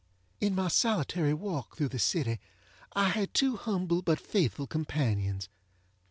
In my solitary walk through, the city I had two humble but faithful companions.